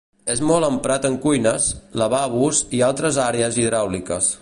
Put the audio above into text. És molt emprat en cuines, lavabos i altres àrees hidràuliques.